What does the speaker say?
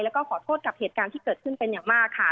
แล้วก็ขอโทษกับเหตุการณ์ที่เกิดขึ้นเป็นอย่างมากค่ะ